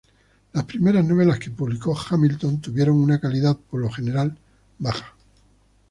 Las primeras novelas que publicó Hamilton tuvieron una calidad por lo general baja.